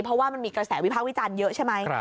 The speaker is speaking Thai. เพราะว่ามันมีกระแสวิพากษ์วิจารณ์เยอะใช่ไหม